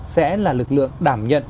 sẽ là lực lượng đảm nhận